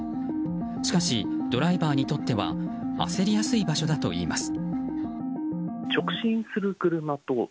しかしドライバーにとっては焦りやすい場所だといいます。